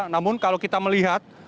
namun kalau kita melihat